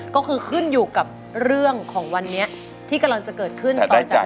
ก็คือขึ้นอยู่กับเรื่องของวันนี้ที่กำลังจะเกิดขึ้นต่อจากนี้